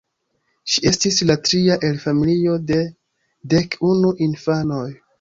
Ŝi estis la tria el familio de dek unu infanoj.